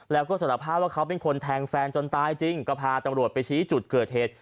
แล้วก็สารภาพว่าเขาเป็นคนแทงแฟนจนตายจริงก็พาตำรวจไปชี้จุดเกิดเหตุ